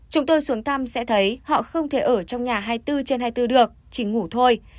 chúng tôi xuống thăm sẽ thấy họ không thể ở trong nhà hai mươi bốn trên hai mươi bốn được chỉ ngủ thôi